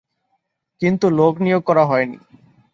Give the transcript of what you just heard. কিন্তু, লোক নিয়োগ করা হয়নি।